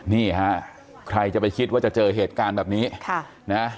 นี่ฮะใครจะไปคิดว่าจะเจอเหตุการณ์แบบนี้ค่ะนะ